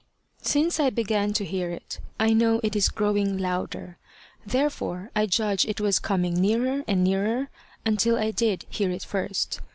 "Since I began to hear it, I know it is growing louder, therefore I judge it was coming nearer and nearer until I did hear it first.